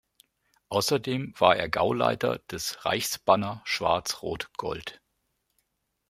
Außerdem war er Gauleiter des Reichsbanner Schwarz-Rot-Gold.